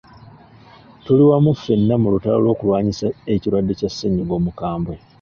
Tuli wamu ffenna mu lutalo lw'okulwanyisa ekirwadde kya ssennyiga omukambwe.